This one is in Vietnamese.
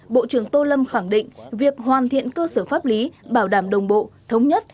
bộ trưởng tô lâm khẳng định việc hoàn thiện cơ sở pháp lý bảo đảm đồng bộ thống nhất